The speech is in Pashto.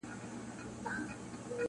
د هندو او مرهټه په جنګ وتلی-